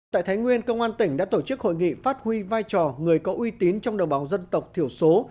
tại thái nguyên công an tỉnh đã tổ chức hội nghị phát huy vai trò người có uy tín trong đồng bào dân tộc thiểu số